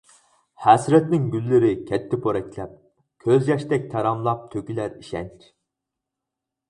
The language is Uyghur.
ھەسرەتنىڭ گۈللىرى كەتتى پورەكلەپ، كۆز ياشتەك تاراملاپ تۆكۈلەر ئىشەنچ.